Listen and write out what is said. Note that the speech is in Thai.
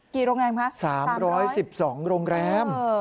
กี่โรงแรมคะ๓๐๐๓๑๒โรงแรม